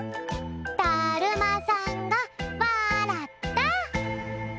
だるまさんがわらった！